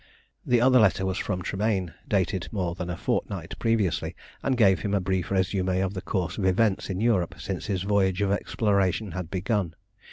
The other letter was from Tremayne, dated more than a fortnight previously, and gave him a brief résumé of the course of events in Europe since his voyage of exploration had begun.